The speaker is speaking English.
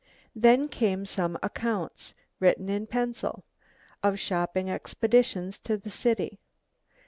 Then came some accounts, written in pencil, of shopping expeditions to the city.